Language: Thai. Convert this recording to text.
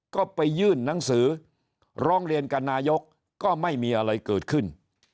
ก็ไปยื่นหนังสือร้องเรียนกับนายกก็ไม่มีอะไรเกิดขึ้น